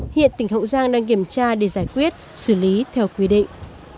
hiện tỉnh hậu giang đang kiểm tra để giải quyết xử lý theo quy định